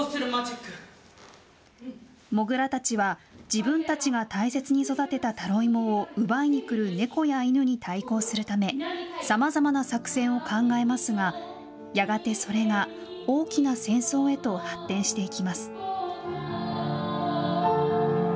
モグラたちは自分たちが大切に育てたタロイモを奪いに来るネコやイヌに対抗するためさまざまな作戦を考えますがやがてそれが大きな戦争へと発展していきます。